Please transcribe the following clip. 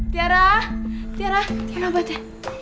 tiara tiara mana obatnya